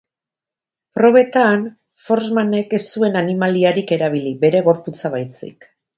Probetan, Forssmanek ez zuen animaliarik erabili, bere gorputza baizik.